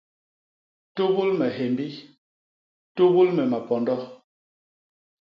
Tubul me hyémbi; tubul me mapondo.